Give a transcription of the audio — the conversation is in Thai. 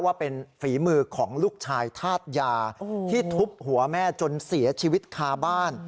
ว่าเป็นฝีมือของลูกชายธาตุยาที่ทุบหัวแม่จนเสียชีวิตคาบ้าน